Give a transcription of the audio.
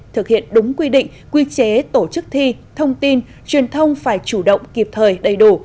thực hiện đúng quy định quy chế tổ chức thi thông tin truyền thông phải chủ động kịp thời đầy đủ